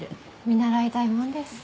見習いたいもんです。